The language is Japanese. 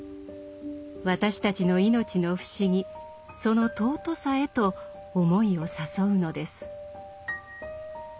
私たちの命の不思議その尊さへと思いを誘うのです。